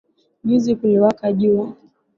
Juzi kuliwaka jua kali.